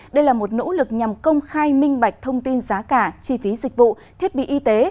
đây là một nỗ lực nhằm công khai minh bạch thông tin giá cả chi phí dịch vụ thiết bị y tế